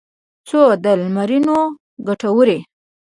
څو د لمرونو کټوري